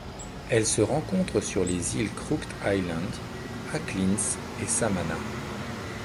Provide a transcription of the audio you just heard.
Elle se rencontre sur les îles Crooked Island, Acklins et Samana.